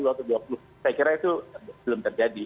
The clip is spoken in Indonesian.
saya kira itu belum terjadi